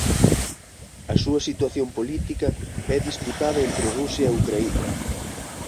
A súa situación política é disputada entre Rusia e Ucraína.